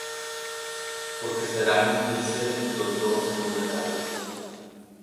porque serán, dice, los dos en una carne.